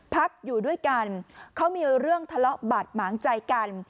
พักอยู่ด้วยกันเขามีเรื่องทะเลาะบาดหมางใจกัน